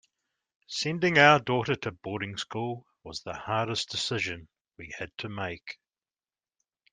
Sending our daughter to boarding school was the hardest decision we had to make.